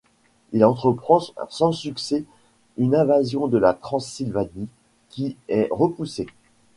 Il entreprend sans succès une invasion de la Transylvanie qui est repoussée.